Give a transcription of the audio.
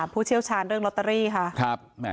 ผู้เชี่ยวชาญเรื่องลอตเตอรี่ค่ะ